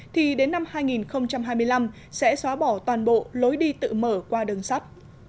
thì đến năm hai nghìn hai mươi năm sẽ xóa bỏ toàn bộ lối đi tự mở qua đường sắt